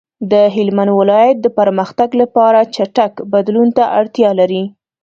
د هلمند ولایت د پرمختګ لپاره چټک بدلون ته اړتیا لري.